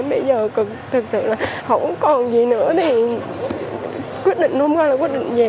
bây giờ thực sự là không còn gì nữa thì quyết định luôn rồi là quyết định về